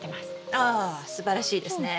ああすばらしいですね。